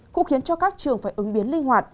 cũng khiến cho các trường phải ứng biến linh hoạt